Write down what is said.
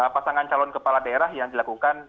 pasangan calon kepala daerah yang dilakukan